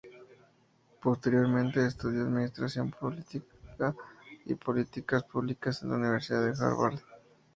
Posteriormente estudió Administración Pública y Políticas Públicas en la Universidad de Harvard.